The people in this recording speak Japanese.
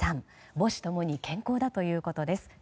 母子共に健康だということです。